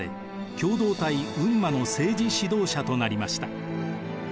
共同体ウンマの政治指導者となりました。